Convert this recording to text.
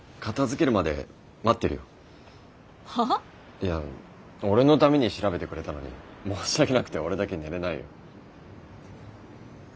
いや俺のために調べてくれたのに申し訳なくて俺だけ寝れないよ。